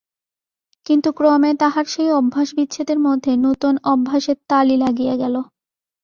কিন্তু ক্রমে তাহার সেই অভ্যাসবিচ্ছেদের মধ্যে নূতন অভ্যাসের তালি লাগিয়া গেল।